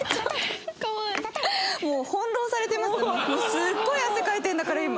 すっごい汗かいてるんだから今。